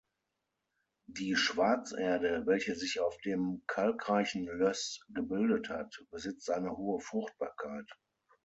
Die Schwarzerde, welche sich auf dem kalkreichen Löss gebildet hat, besitzt eine hohe Fruchtbarkeit.